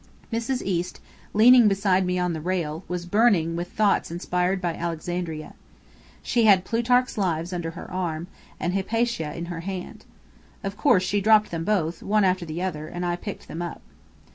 Mrs. East, leaning beside me on the rail, was burning with thoughts inspired by Alexandria. She had "Plutarch's Lives" under her arm, and "Hypatia" in her hand. Of course, she dropped them both, one after the other, and I picked them up.